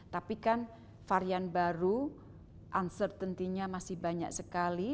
tapi kan varian baru uncertainty nya masih banyak sekali